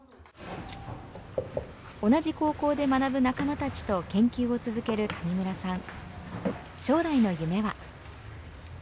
同じ高校で学ぶ仲間たちと研究を続ける上村さん。